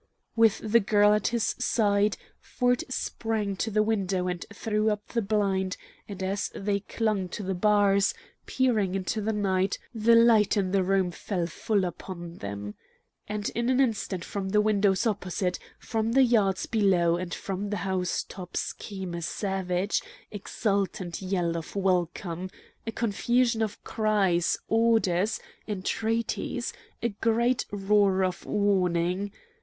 With the girl at his side, Ford sprang to the window and threw up the blind, and as they clung to the bars, peering into the night, the light in the room fell full upon them. And in an instant from the windows opposite, from the yards below, and from the house tops came a savage, exultant yell of welcome, a confusion of cries' orders, entreaties, a great roar of warning.